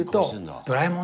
ドラえもん！